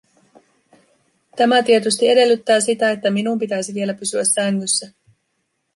Tämä tietysti edellyttää sitä, että minun pitäisi vielä pysyä sängyssä.